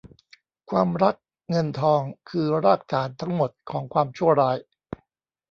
ความรักเงินทองคือรากฐานทั้งหมดของความชั่วร้าย